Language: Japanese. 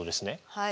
はい。